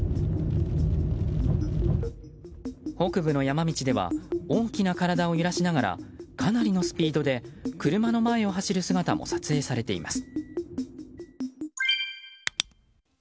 北部の山道では大きな体を揺らしながらかなりのスピードで車の前を走る姿も撮影されています。